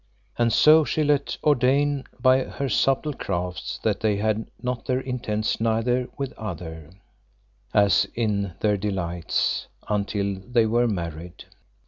And so she let ordain by her subtle crafts that they had not their intents neither with other, as in their delights, until they were married.